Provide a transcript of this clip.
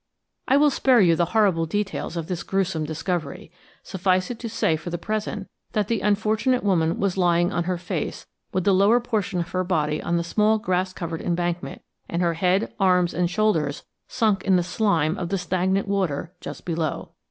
I will spare you the horrible details of this gruesome discovery. Suffice it to say for the present that the unfortunate woman was lying on her face, with the lower portion of her body on the small grass covered embankment, and her head, arms, and shoulders sunk in the slime of the stagnant water just below.